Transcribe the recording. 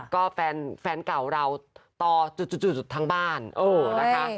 ก็แฟนเก่าเราต่อจุดทั้งบ้านนะคะ